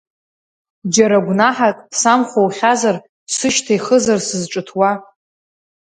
Џьара гәнаҳак самхоухьазар, сышьҭа ихызар сызҿыҭуа?